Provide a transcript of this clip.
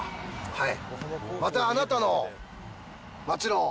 はい。